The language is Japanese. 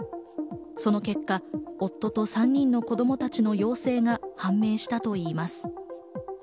その結果、夫と３人の子供たちの陽性が判明したといいます。